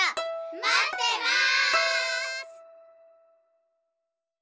まってます！